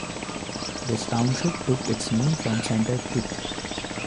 This township took its name from Center Creek.